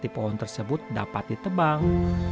di pohon tersebut dapat ditebang